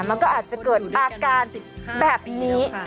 มันก็อาจจะเกิดอาการแบบนี้